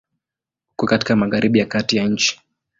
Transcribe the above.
Uko katika Magharibi ya Kati ya nchi.